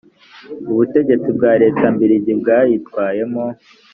ubutegetsi bwa leta mbirigi bwabyitwayemo